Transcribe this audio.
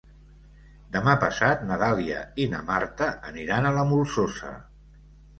Demà passat na Dàlia i na Marta aniran a la Molsosa.